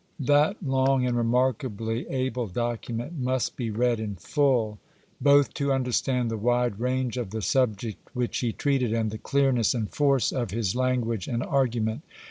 That long and remarkably able docu 38 ABRAHAM LINCOLN CUA1 . II. meut must be read in full, both to understaQd the wide rauge of the subject which he treated and the clearness and force of his language and argument.